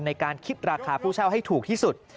ในการคิดราคาผู้เช่าให้ถูกที่สุด